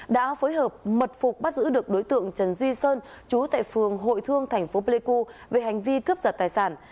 đã phối hợp mật phục bắt giữ được đối tượng trần duy sơn chú tại phường hội thương thành phố pleiku về hành vi cướp giật tài sản